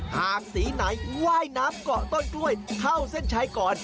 หากสีไหนว่ายน้ำเกาะต้นกล้วยเข้าเส้นชัยก่อน